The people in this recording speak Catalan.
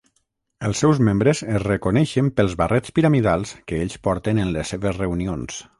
Els seus membres es reconeixen pels barrets piramidals que ells porten en les seves reunions.